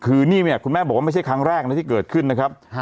คือนี่เนี่ยคุณแม่บอกว่าไม่ใช่ครั้งแรกนะที่เกิดขึ้นนะครับ